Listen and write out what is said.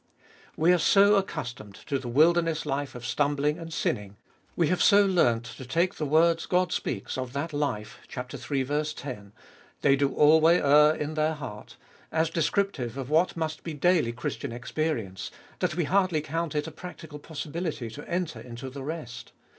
We are so accustomed to the wilderness life of stumbling and sinning, we have so learnt to take the words God speaks of that life (iii. 10), "They do alway err in their heart," as descriptive of what must be daily Christian experience, that we hardly count it a practical possibility to enter into the rest.